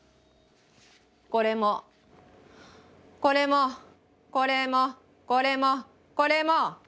これもこれもこれもこれもこれも！